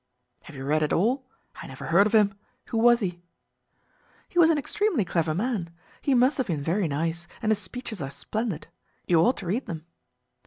"Have you read it all? I never heard of him. Who was he?" "He was an extremely clever man. He must have been very nice, and his speeches are splendid. You ought to read them."